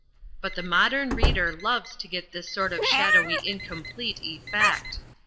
But the modern reader loves to get this sort of shadowy incomplete effect.